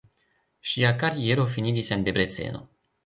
Ŝia kariero finiĝis en Debreceno.